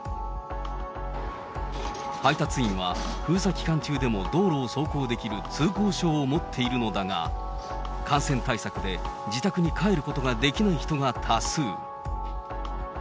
配達員は、封鎖期間中でも道路を走行できる通行証を持っているのだが、感染対策で、自宅に帰ることができない人が多数。